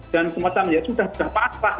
dan semacamnya sudah pasrah